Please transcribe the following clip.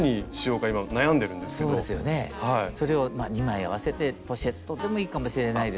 それを２枚合わせてポシェットでもいいかもしれないですね。